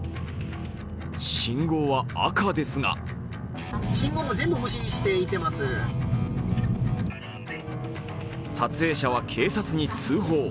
信号は赤ですが撮影者は警察に通報。